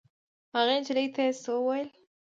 هغې نجلۍ ته یې څه وویل.